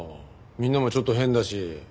みんなもちょっと変だし。